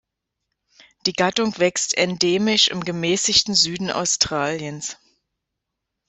Die Gattung wächst endemisch im gemäßigten Süden Australiens.